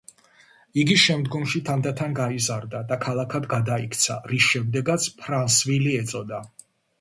იგი შემდგომში თანდათან გაიზარდა და ქალაქად გადაიქცა, რის შემდეგაც ფრანსვილი ეწოდა.